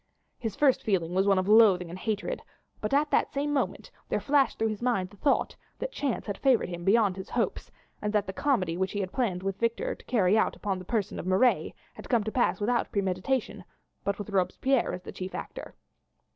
His first feeling was one of loathing and hatred, but at the same moment there flashed through his mind the thought that chance had favoured him beyond his hopes, and that the comedy which he had planned with Victor to carry out upon the person of Marat had come to pass without premeditation, but with Robespierre as the chief actor.